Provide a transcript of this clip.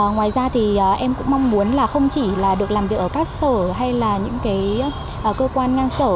ngoài ra thì em cũng mong muốn không chỉ được làm việc ở các sở hay là những cơ quan ngang sở